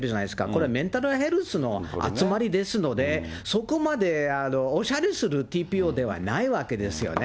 これはメンタルヘルスの集まりですので、そこまでおしゃれするＴＰＯではないわけですよね。